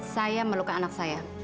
saya melukai anak saya